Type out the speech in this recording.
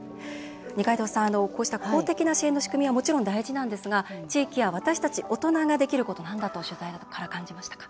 二階堂さん、こうした公的な支援の仕組みは大事なんですが地域や私たち大人ができることなんだと取材から感じましたか？